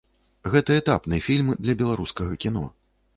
Гэта этапны фільм для беларускага кіно.